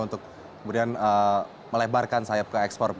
untuk kemudian melebarkan sayap ke ekspor